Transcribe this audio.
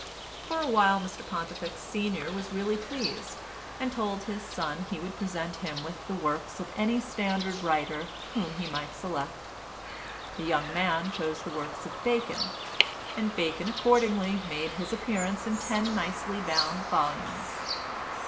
For a while Mr Pontifex senior was really pleased, and told his son he would present him with the works of any standard writer whom he might select. The young man chose the works of Bacon, and Bacon accordingly made his appearance in ten nicely bound volumes.